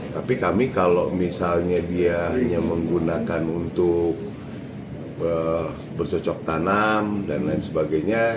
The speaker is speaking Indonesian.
tapi kami kalau misalnya dia hanya menggunakan untuk bercocok tanam dan lain sebagainya